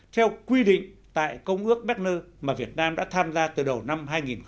theo quy định tại công ước bechner mà việt nam đã tham gia từ đầu năm hai nghìn bốn